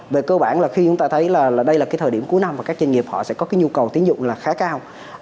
về cơ bản là khi chúng ta thấy là đây là cái thời điểm cuối năm và các doanh nghiệp họ sẽ có cái nhu cầu tiến dụng là khá cao